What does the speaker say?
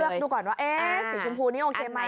เลือกดูก่อนว่าสีชมพูนี่โอเคไหม